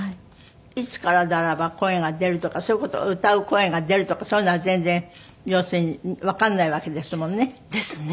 いつからならば声が出るとかそういう事歌う声が出るとかそういうのは全然要するにわからないわけですもんね。ですね。